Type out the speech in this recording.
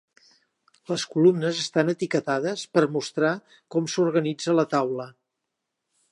Les columnes estan etiquetades per mostrar com s'organitza la taula.